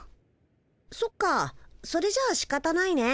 そっかそれじゃあしかたないね。